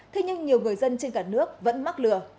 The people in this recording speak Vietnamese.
thế nhưng nhiều người dân trên cả nước vẫn mắc lừa